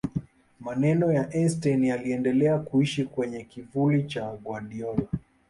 maneno ya einstein yaliendelea kuishi kwenye kivuli cha guardiola